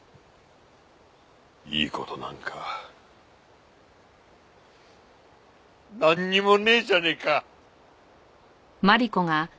いい事なんかなんにもねえじゃねえか。